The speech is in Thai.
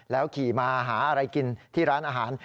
ขี่มาหาอะไรกินที่ร้านอาหาร